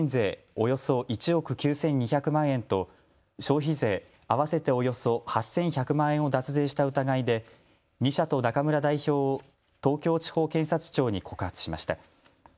およそ１億９２００万円と消費税合わせておよそ８１００万円を脱税した疑いで２社と中村代表を東京地方検察庁に告発しました。